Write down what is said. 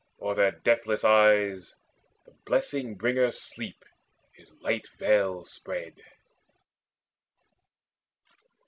O'er their deathless eyes The blessing bringer Sleep his light veils spread.